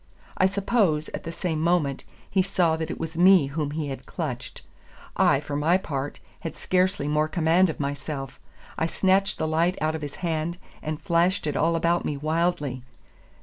I suppose, at the same moment, he saw that it was me whom he had clutched. I, for my part, had scarcely more command of myself. I snatched the light out of his hand, and flashed it all about me wildly.